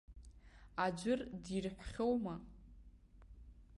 Аӡәыр дирҳәхьоума?